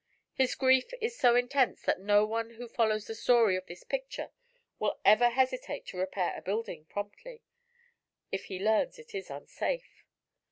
His grief is so intense that no one who follows the story of this picture will ever hesitate to repair a building promptly, if he learns it is unsafe.